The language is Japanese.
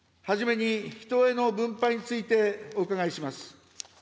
初めに、人への分配についてお伺いします。